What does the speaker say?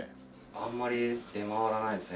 あんまり出回らないですね。